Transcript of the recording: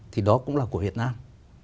thì đó cũng là của việt nam